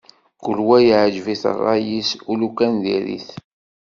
Kul wa yeɛǧeb-it ṛṛay-is, ulukan diri-t.